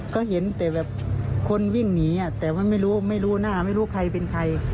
ก็เห็นแต่แบบคนวิ่งหนีแต่มันไม่รู้ไม่รู้หน้าไม่รู้ใครเป็นใคร